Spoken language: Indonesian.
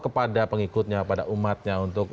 kepada pengikutnya pada umatnya untuk